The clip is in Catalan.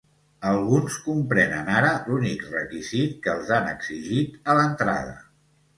Alguns comprenen ara l'únic requisit que els han exigit a l'entrada.